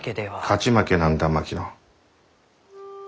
勝ち負けなんだ槙野。